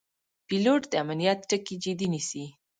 پیلوټ د امنیت ټکي جدي نیسي.